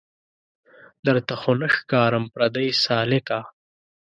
درته خو نه ښکارم پردۍ سالکه